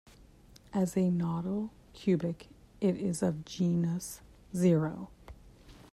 As a nodal cubic, it is of genus zero.